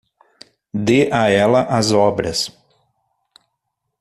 Dê a ela as obras.